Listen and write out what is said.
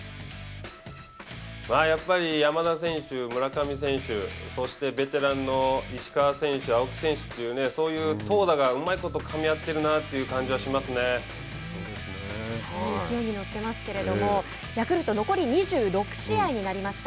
やっぱり山田選手村上選手そしてベテランの石川選手青木選手というそういう投打がうまいことかみ合ってるなという勢いに乗ってますけれどもヤクルト残り２６試合になりました。